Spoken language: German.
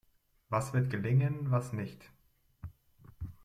Was wird gelingen, was nicht?